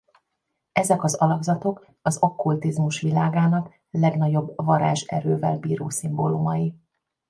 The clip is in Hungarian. Ezek az alakzatok az okkultizmus világának legnagyobb varázserővel bíró szimbólumai.